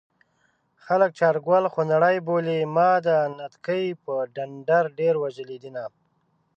خلک چارګل خونړی بولي ما د نتکۍ په ډنډر ډېر وژلي دينه